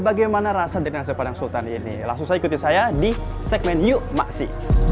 bagaimana rasa dengan sepanjang sultan ini langsung saya di saya di segmen yuk maksi